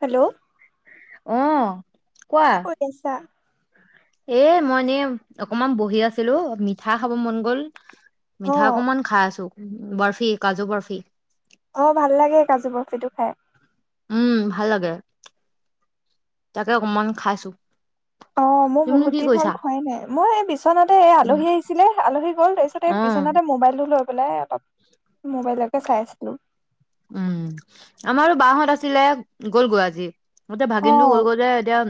Hello অ' কোৱা কি কৰি আছা? এ, মই এনে অকণমান বহি আছিলোঁ, মিঠা খাব মন গ'ল। মিঠা অ', অকণমান খাই আছোঁ, বৰফি, কাজু বৰফি। অ', ভাল লাগে কাজু বৰফিটো খাই। উম, ভাল লাগে তাকে অকমান খাইছোঁ। অ', মোৰ বহুত দিন হ'ল খোৱাই নাই। মই বিচনাতে। উম আলহী আহিছিলে। আলহী গ'ল, তাৰপিছতে অ বিছনাতে মোবাইলটো লৈ পেলাই অলপ মোবাইলকে চাই আছিলোঁ। উম, আমাৰ বা হত আছিলে গ'লগৈ আজি। ভাগিনটো অ', গ'লগৈ যে, এতিয়া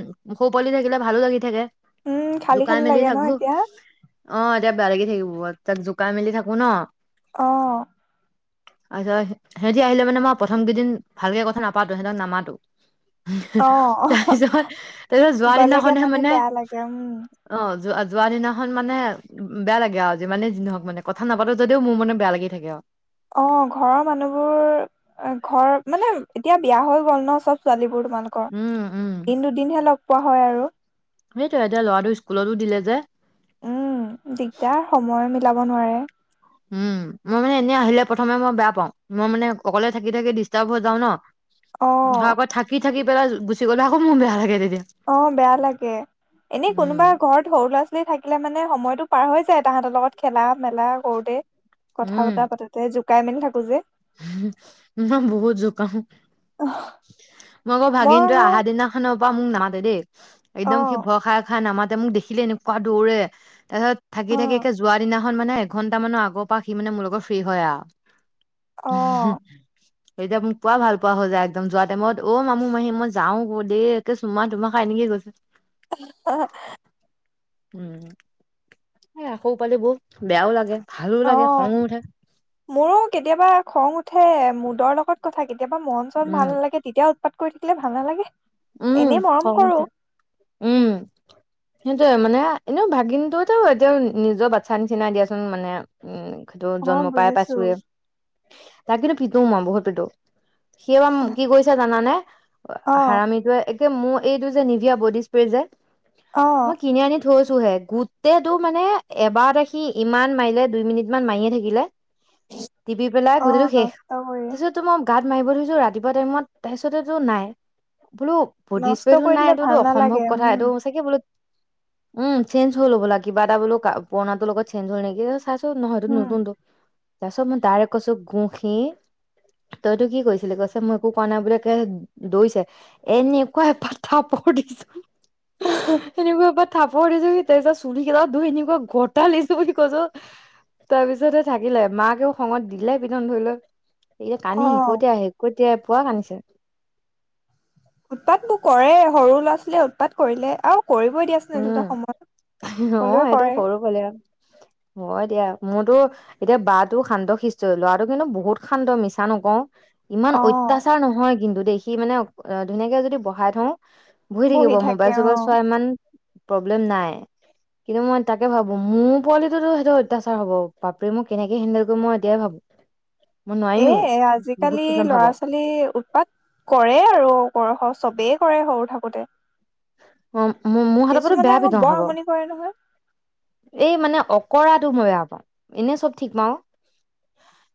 সৰু পোৱালি থাকিলে ভাল লাগি থাকে। উম, খালি খালি জোকাই মেলি লাগে ন থাকোঁ, এতিয়া? অ', এতিয়া বেয়া লাগি থাকিব। [inaudible] তাক জোকাই-মেলি থাকোঁ ন। অ' [inaudible] সিহঁতি আহিলে মানে, মই প্ৰথম কেইদিন ভালকে কথা নাপাতো, সিহঁতক নামাতো। অ', তাৰপিছত, তাৰপিছত যোৱা গ'লেগে দিনাখনহে, মানে, বেয়া লাগে উম। অ' যোৱা যোৱা দিনাখন, মানে, বেয়া লাগে, আৰু যিমানেই যিহওক, মানে, কথা নাপাতো যদিও, মোৰ মনে বেয়া লাগি থাকে আৰু। অ, ঘৰৰ মানুহবোৰ ঘৰ মানে এতিয়া বিয়া হৈ গ'ল ন, চব ছোৱালী। তোমালোকৰ উম উম দিন দুদিনহে লগ পোৱা হয় আৰু। সেইটোৱে, এতিয়া ল'ৰাটো স্কুলতো দিলে যে। উম, দিগদাৰ সময় মিলাব নোৱাৰে। উম, মই মানে এনেই আহিলে, প্ৰথমে মই বেয়া পাওঁ। মই মানে অকলে থাকি থাকি ডিষ্টাৰ্ব হৈ যাওঁ ন। অ', থাকি থাকি পেলা গুচি গ'লগে, আকৌ মন বেয়া লাগে। তেতিয়া অ', বেয়া লাগে, এনে উম কোনোবা ঘৰত সৰু ল'ৰা-ছোৱালী থাকিলে মানে সময়তো পাৰ হৈ যায়, তাহতৰ লগত খেলা-মেলা কৰোঁতে, উম কথা-বতৰা পাতোঁতে, জোকাই-মেলি থাকোঁ যে। মই বহুত জোকাও। মোক আকৌ মই ভাগিনতোয়ে আৰু আহাৰ দিনাখনৰ পৰা মোক নামাতে দেই। অ একদম সি ভয় খাই-খাই নামাতে মোক দেখিলে এনেকুৱা দৌৰে। তাৰপিছত অ থাকি-থাকি একে যোৱাৰ দিনা খন মানে এঘন্টা মানৰ আগৰ পৰা সি মানে মোৰ লগত ফ্ৰী হয় আও অ এতিয়া মোক পুৰা ভাল পোৱা হৈ যায় একদম যোৱাৰ টাইমত অ' মামু, মাহী, মই যাওঁগৈ দে। একে চুমা তোমা খাই নেকি [unintelligible] [inaudible] উম, এই আকৌ পোৱালিবোৰ বেয়াও লাগে। ভালো লাগে অ', খঙো উঠে মোৰো কেতিয়াবা খং উঠে। মুদৰ লগত ক কেতিয়াবা মন চন ভাল উম নালাগে, তেতিয়া উৎপাত কৰি থাকিলে ভাল নালাগে। উম, এনেই মৰম খং কৰো উঠে উম মানে, এনেও ভাগিনটোতো এতিয়া নিজৰ বাচ্ছা নিচিনায়ে দিয়াচোন মানে উম। ত অ জন্মৰ পাই বুজিছো পাইছোৱে তাক কিন্তু পিটো মই বহুত পিটো। সি এবাৰ কি কৰিছে জানানে অ হাৰামি একে মোৰ এইটো যে নিভিয়া বডী স্প্ৰে যে, অ মই কিনি আনি থৈছোঁ হে, গোটেইটো মানে, এবাৰতে সি ইমান মাৰিলে, দুই মিনিটমান মাৰিয়েই থাকিলে। টিপি পেলাই অ গোটেইটো শেষ, নষ্ট কৰি তাৰপিছত তো মই গাত মাৰিব ধৰিছোঁ ৰাতিপুৱা টাইমত, তাৰপিছতেতো নাই। বোলো, বডি নষ্ট স্প্ৰেটো কৰি নাই, দিলে এইটোতো ভাল নালাগে অসম্ভৱ কথা উম এইটো চাগে বোলো- উম, চেঞ্জ হ'বলা কিবা এটা বোলো, পুৰণাটোৰ লগত চেঞ্জ হৈ নেকি? নহয়তো এইটো উম নতুনটো তাৰ পিছত মই ডাইৰেক্ট কৈছো কুসি তাইতো কি কৈছিলি কৈছে মই একো কোৱা নাই বোলে, একেই দৌৰিছে। এনেকুৱা এপাত থাপৰ দিছো এনেকুৱা এপাত থাপৰ দিছো সি তাৰ পিছত চুলি কেইটা দুই এনেকুৱা [unintelligible] বুলি কৈছো। তাৰ পিছতে থাকিলে, মাকেও খঙত দিলে পিটন ধৰি লৈ। এতিয়া কানি অ হেকুতিয়াই হেকুতিয়াই পুৰা কান্দিছে। উৎপাতবোৰ কৰে সৰু ল'ৰা-ছোৱালীয়ে উৎপাত কৰিলে আৰু কৰিবই দিয়াচোন এইটো এটা উম সময়ত অ সকলোৱে সেইটো কৰে সৰু পোৱালি আৰু হয় দিয়া। মোৰতো এতিয়া বাটো শান্ত শিষ্ট লৰাটো কিন্তু বহুত শান্ত মিছা নকওঁ। ইমান অ অত্যাচাৰ নহয় কিন্তু দেখি মানে অ ধুনীয়াকে যদি বহাই থওঁ বহি থাকিব থাকে মোবাইল অ চবাইল চোৱা ইমান প্ৰব্লেম নাই। কিন্তু মই তাকে ভাবো মোৰ পোৱালিটোতো সেইটো অত্যাচাৰ হব বাপৰে মোক কেনেকে হেন্দেল কৰিম মই এতিয়াই ভাবো। মই এ নোৱাৰিমেই বহুত আজিকালি পিটন খাব ল'ৰা অ' ছোৱালী উৎপাত কৰে আৰু [unintelligible] চবেই কৰে সৰু থাকোতে। অ কিছুমানে আকৌ বৰ আমনি কৰে নহয়। এই মানে অকৰাটো মই বেয়া পাওঁ, এনে চব ঠিক পাওঁ।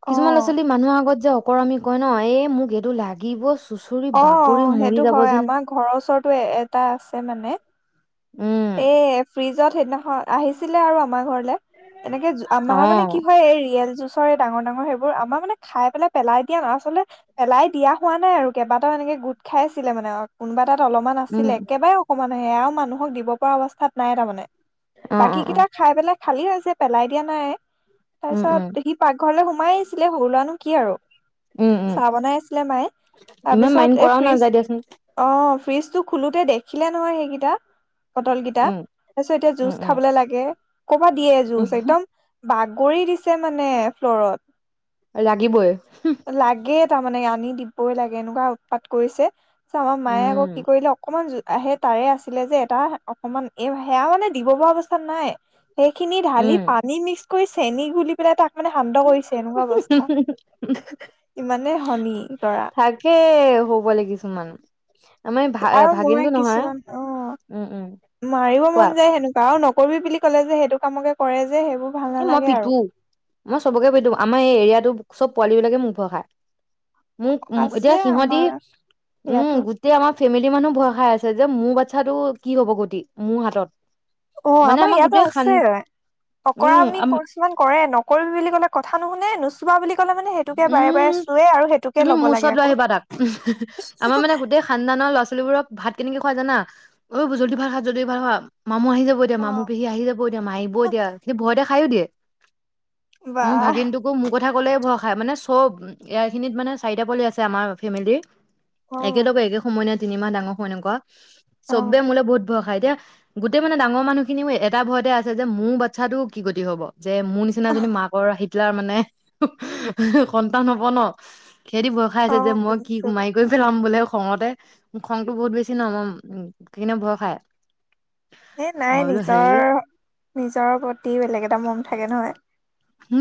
অ কিছুমান ল'ৰা ছোৱালী মানুহৰ আগত যে অকৰামী কয় ন এ মোক এইটো লাগিব চুচৰি অ বাগৰি মৰি সেইটো যাব হয় যেন আমাৰ ঘৰৰ ওচৰতো এটা আছে মানে। এ উম ফ্ৰিজত সেইদিনাখন আহিছিলে আৰু আমাৰ ঘৰত। এনেকে অ আমাৰ মানে কি হয় এই ৰিয়েল জুচ ডাঙৰ ডাঙৰ সেইবোৰ আমাৰ মানে খাই পেলাই পেলাই দিয়া আচলতে পেলাই দিয়া হোৱা নাই আৰু কেইাটাও এনেকে গোট খাই আছিলে মানে আৰু কোনোবা এটা ত অলপমান উম আছিলে একেবাৰে অকণমান সেয়া আৰু মানুহক দিব পৰা অৱস্থাত নাই তাৰমানে। অ বাকী অ অ কেইটা খাই পেলাই খালী লৈছে পেলাই দিয়া নাই। তাৰ উম পিছত উম সি পাকঘৰলে সোমাই আহিছিলে সৰু ল'ৰানো কি আৰু। উম উম চাহ বনাই আছিলে মায়ে ইমান তাৰপিছত মাইণ্ড এই কৰাও ফ্ৰিজ নাযায় দিয়াচোন অ, ফ্ৰিজটো খোলোতে দেখিলে নহয় সেইকেইটা। পটলকেইটা উম তাৰ পিছত এতিয়া উম জুচ উম খাবলৈ লাগে কৰ'বাত দিয়ে উম জুচ একদম বাগৰি দিছে মানে ফ্লৰত। লাগিবই। লাগে তাৰমানে আনি দিবই লাগে এনেকুৱা উৎপাত কৰিছে। আমাৰ মায়ে উম আকৌ কি কৰিলে অকণমান জুত আহে তাৰে আছিলে যে এটা অকমান এই সেয়া মানে দিব পৰা অৱস্থাত নাই। সেইখিনি ঢালি উম পানী মিক্স কৰি চেনি গুলি পেলাই তাক মানে শান্ত কৰিছে এনেকুৱা অৱস্থা। [unintelligible] ইমানেই শনি লৰা। থাকে হ'বলে কিছুমান আমাৰ ভা আৰু মই ভাগিনটো নহয় কিছুমান আহ উম উম মাৰিব কোৱা মন যায় সেনেকুৱা আৰু নকৰিবি বুলি ক'লে যে সেইটো কামকে কৰে যে সেইবোৰ ভাল এ মই নালাগে আৰু পিটো মই চবকে পিটো আমাৰ এই এৰিয়াটো চব পোৱালী বিলাকে মোক ভয় খায়। মোক আছে এতিয়া সিহঁতি আমাৰ উম, ইয়াতো। গোটেই আমাৰ ফেমিলি মানুহ ভয় খাই আছে যে মোৰ বাচ্ছাটো কি হব গটি মোৰ হাতত। অ, মানে আমাৰ ইয়াতো গোটেই খান আছে অ, কৰা উম, বুলি আম কছুমান কৰে নকৰিবি বুলি ক'লে কথা নুশুনে নুচোবা বুলি কলে মানে সেইটোকে বাৰে-বাৰে উম, চুৱে আৰু সেইটোকে তুমি ল'ব মোৰ লাগে ওচৰত লৈ আকৌ। আহিবা তাক। লিবোৰক ভাত কেনেকে খোৱা জানা অঐ জলদি ভা খা - জলদি ভা খা। মামু আহি যাব এতিয়া মামু অ', পেহী আহি যাব এতিয়া মাইব এতিয়া সি ভয়তে খায়ো দিয়ে। মোৰ বাহ। ভাগিনটোকো মোৰ কথা ক'লেই ভয়স মানে চব এ খিনিত মানে চাৰিটা পলি আছে আমাৰ ফেমিলিৰ। একে অ', লগে একে সময় নে তিনিমাহ ডাঙৰ সময় এনেকুৱা অ', চবে মোলে বহুত য় খায় এতিয়া গোটেই মানে ডাঙৰ মানুহ খিনিও এটা ভয়তে আছে যে মোৰ বাচ্ছাটো কি গতি হ'ব। যে মোৰ নিচিনাজনী মাকৰ হিটলাৰ মানে সন্তান হব ন। সিহেতি ভয় খাই আছে যে অ', মই কি বুজিছো। মাৰি কৰি পেলাম বোলে খঙতে - খঙটো বহুত বেছি ন মই উম, কিনে ভয় খাই। এ নাই মই বোলো হেৰি নিজৰ-নিজৰ প্ৰতি বেলেগ এটা মম থাকে ন।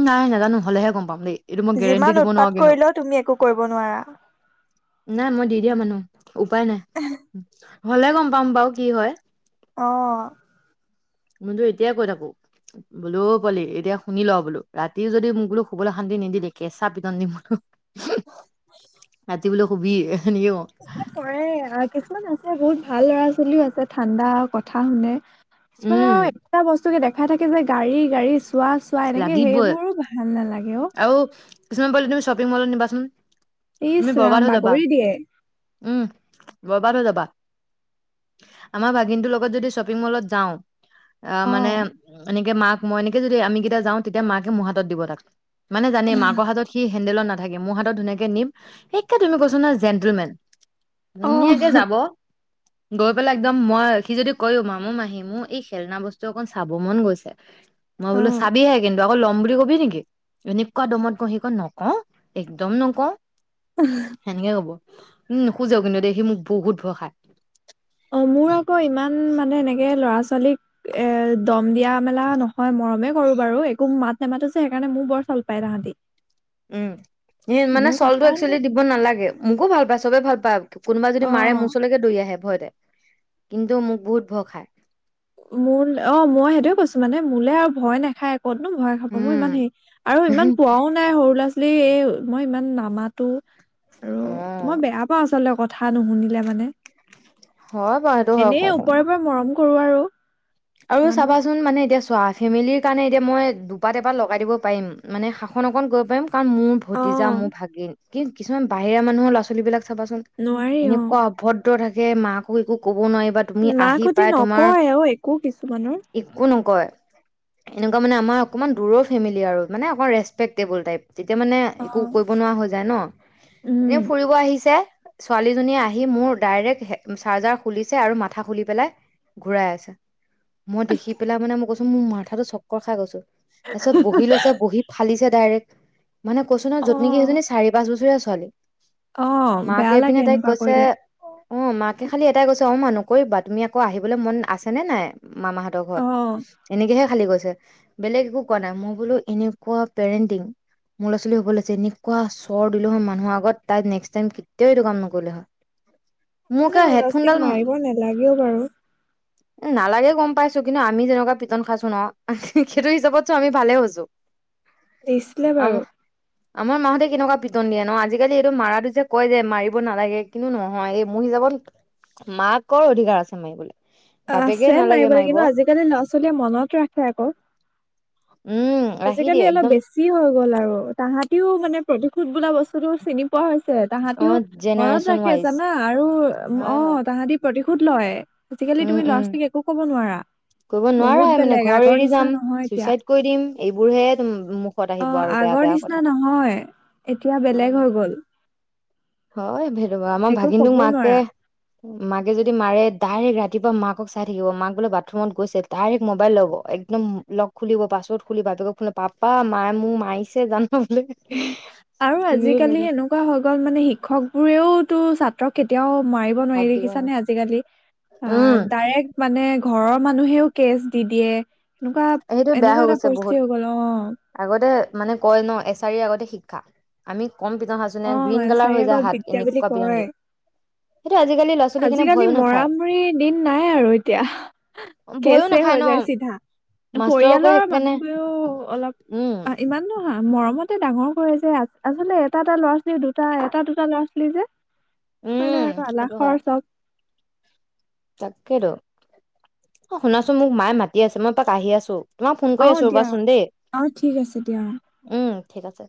নাই নাজানো হলেহে গম পাম দেই এইটো মই গেৰেণ্টি যিমান দিব উৎপাত নোৱাৰো কিন্তু। কৰিলেও তুমি একো কৰিব নোৱাৰা নাই মই দি দিয়া মানুহ উপায় নাই। হলে গম পাম বাৰু কি হয়। অ', মইতো এতিয়াই কৈ থাকো। বোলো পোৱালি এতিয়া শুনি ল বোলো ৰাতিও যদি মোক বোলো শুবলৈ শান্তি নিদিলে কেঁচা পিটন দিম বোলো। ৰাতি বোলে শুবি। এনেকে কওঁ। কৰে কিছুমান আছে বহুত ভাল ল'ৰা ছোৱালীও আছে ঠাণ্ডা কথা শুনে। কিছুমানে উম, আৰু এটা বস্তুকে দেখাই থাকে যে গাড়ী - গাড়ী চোৱা - চোৱা এনেকে লাগিবই সেইবোৰো ভাল নালাগে অ, আৰু কিছুমান পোৱালি তুমি নিবাচোন ইছ তুমি ৰাম বৰবাদ হৈ যাবা বাগৰি দিয়ে। উম, বৰবাদ হৈ যাবা আমাৰ ভাগিনটোৰ লগত যদি শ্বপিং মলত যাও। আহ, মানে অ', এনেকে মাক মই এনেকে যদি আমি কেইটা যাওঁ তেতিয়া মাকে মোৰ হাতত দিব তাক। মানে জানে মাকৰ হাতত সি হেন্দেলত নাথাকে। থাকে মোৰ হাতত ধুনীয়াকে নিম সে তুমি কৈছো ন জেণ্টলমেন। অ', ধুনীয়াকে যাব গৈ পেলাই একদম মই সি যদি কয় মামু মাহি মোক এই খেলনা বস্তু অকণ চাব মন গৈছে। মই বোলো অ', চাবি হে কিন্তু আকৌ ল'ম বুলি কবি নেকি এনেকুৱা দমত কও সি কই নকও একদম নকও। সেনেকে কব উম, নুখোজে কিন্তু দে সি মোক বহুত ভয় খায়। অ, মোৰ আকৌ ইমান মানে এনেকে ল'ৰা ছোৱালীক এ দম ম দিয়া মেলা নহয় মৰমে কৰো বাৰু একো মাত নেমাতো যে সেইকাৰণে মোৰ বৰ চল পায় তাহাতি। উম, মানে চলটো একচুৱেলি ন- দিব নালাগে মোকো ভাল পায় চবে ভাল পায়। কোনোবা যদি মাৰে ম অ', ওচৰলৈকে দৰি আহে ভয়তে কিন্তু মোক বহুত ভয় খায়। মোৰ অ, মই সেইটোয়ে কৈছো মানে মোলে আৰু ভয় নাখায়। ক'ত নো ভয় খাব মই উম ইমান হেৰি আৰু ইমান পোৱাও নাই সৰু ল'ৰা ছ এ মই ইমান নামাতো আৰু অ মই বেয়া পাও আচলতে কথা কথা নুশুনিলে মানে হয় বাৰু সেইটো হয় এনে ওপৰেওৰে মৰম কৰো আৰু। আৰু ইমান চাবাচোন মানে এতিয়া চোৱা ফেমিলিৰ কাৰণে এতিয়া মই দুপাত এপাত লগাই দিব পাৰিম মানে শাসন অকণ কৰিব পাৰিম। কাৰণ মোৰ ভতিজা অ', মোৰ ভাগিন কি কিছুমান বাহিৰা মানুহৰ ল'ৰা ছোৱালী বিলাক চাবাচোন নোৱাৰি অ'। এনেকুৱা অভদ্ৰ থাকে মাকো একো ক ক নোৱাৰিব তুমি আহি মাকহঁতি পাই তোমাৰ নকয় অ একো কিছুমানৰ। একো ন কয় এনেকুৱা মানে আমাৰ অকণমান দূৰৰ ফেমিলি আৰু মানে অক ৰেচপেক্টবল টাইপ। তেতিয়া মানে একো কৰিব নোৱাৰা হৈ যায় ন উম এনে ফুৰিব আহিছে। ছোৱালী জনীয়ে আহি মোৰ ডাইৰেক্ট চাৰ্জাৰ খুলিছে আৰু মাথা খুলি পেলাই ঘুৰাই আছে মই দেখি পেলাই মানে মই কৈছো মোৰ মাথাো চক্কৰ খাই গৈছো। তাৰ পিছত বহি লৈছে বহি ফালিছে ডাইৰেক্ট মানে কৈছো ন আৰু যত নেকি সেইজনী চাৰি পাচ বছৰে আছ ছোৱালী অ বেয়া মাকে পিনে লাগে তাইক এনেকুৱা কৈছে কৰিলে অ, মাকে খালি এটাই কৈছে অ, মা নকৰিবা তুমি আকৌ আহিবলৈ মন আছে নে নাই মামাহতৰ অ ঘৰত এনেকেহে খালি কৈছে। বেলেগ একো কোৱা নাই মই বোলো এনেকুৱা পেৰেণ্টিং মোৰ ল'ৰা-ছোৱালী হব লাগিছিল এনেকুৱা চৰ দিলো হয় মানুহৰ আগত তাই নেক্সত টাইম কেতিয়াও এইটো কাম নকৰিলে হয়। মোক মানে সৰু ল'ৰা-ছোৱালীক হেডফোনডাল মাৰিব নালাগেও বাৰু। নালাগে গম পাইছো, কিন্তু আমি যেনেকুৱা পিটন খাছো ন সেইটো হিচাপত চোন আমি ভালে হৈছো। দিছিলে আম বাৰু। আমাৰ মাহঁতে কেনেকুৱা পিটন দিয়ে ন, আজিকালি এইটো মাৰাটো যে কয় যে মাৰিব নালাগে কিন্তু নহয় এই মোৰ হিচাপত মাকৰ অধিকাৰ আছে মাৰিবলে। আছে মাৰিবলে কিন্তু আজিকালি ল'ৰা-ছোৱালীয়ে মনত ৰাখে আকৌ। উম ৰাখি আজিকালি দিয়ে অলপ একদম বেছি হৈ গ'ল আৰু তাহাতিও মানে প্ৰতিশোধ বোলা বস্তুটো চিনি- পোৱা হৈছে অ তাহাঁতিও মনত জেনেৰেশ্যন ৰাখে ৱাইজ জানা আৰু হয় অ হয় তাহাঁতি প্ৰতিশোধ লয়। আজিকালি উম তুমি উম ল'ৰা-ছোৱালীক একো ক'ব নোৱাৰা। কৰিব বহুত নোৱাৰাই মানে বেলেগ ঘৰ আগৰ এৰি নিচিনা যাম নহয় এতিয়া কৰি দিম এই বোৰহে মুখত আহিব অ', আৰু বেয়া আগৰ বেয়া নিচিনা কথা। নহয়, এতিয়া হয় বেলেগ হয়, হৈ গ'ল, সেটো বাৰু আমাৰ একো ভাগিনটোক ক'বও মাকে নোৱাৰা। মাকে যদি মাৰে ডাইৰেক্ট ৰাতিপুৱা মাকক চাই থাকিব মাক বোলে বাথ থৰুমত গৈছে, ডাইৰেক্ট মোবাইল ল'ব একদম লগ খুলিব, পাছৱৰ্ড খুলি বাপেকক ফোনত পাপা মায়ে মোক মা মাৰিছে জান বুলি আৰু আজিকালি এনেকুৱা হৈ গ'ল মানে শিক্ষকবোৰেও টো ছাত্ৰক কেতিয়াও মাৰিব নোৱাৰি হাত দিব দেখিছানে নাই আজিকালি অ উম ডাইৰেক্ট মানে ঘৰৰ মানুহেও কেচ দি দিয়ে। এনেকুৱা সেইটো বেয়া এনেকুৱা হৈ এটা গৈছে পৰিস্থিতি বহুত, হৈ গ'ল অ', আগতে মানে কয় ন এছ ছাৰিৰ আগতহে শিক্ষা। আমি কম পিটন সাজোনে অ গ্ৰীণ কালাৰ এচাৰিৰ হৈ যায় আগত হাত বিদ্যা বুলি এনেকুৱা পিটন কয়। দিয়ে সেইটো আজিকালি ল'ৰা ছোৱালী সেইকাৰণে আজিকালি ভয়ো নাখায় মৰামৰি দিন নাই আৰু এতিয়া, ভয়ো কেচে নাখায় হৈ ন যায় চিধা। মাষ্টৰকো পৰিয়ালৰ সেইকাৰণে মানুহবোৰেও অলপ উম ইমানো হা মৰমতে ডাঙৰ কৰে যে, আচলতে এটা এটা ল'ৰা-ছোৱালী দুটা, এটা, দুটা ল'ৰা-ছোৱালী যে সেইকাৰণে উম আৰু আলাসৰ চব। তাকেইটো। অ শুনাচোন, মোক মায়ে মাতি আছে, মই এপাক আহি আছোঁ। মই ফোন কৰি অ আছো দিয়া ৰ'বাচোন দেই। অ ঠিক আছে দিয়া উম ঠিক আছে।